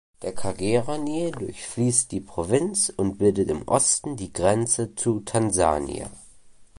Der Kagera-Nil durchfließt die Provinz und bildet im Osten die Grenze zu Tansania.